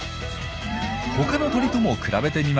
他の鳥とも比べてみました。